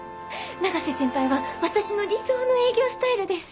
永瀬先輩は私の理想の営業スタイルです。